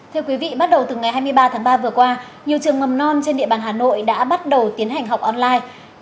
thưa quý vị bắt đầu từ ngày hai mươi ba tháng ba vừa qua nhiều trường mầm non trên địa bàn hà nội đã bắt đầu tiến hành học online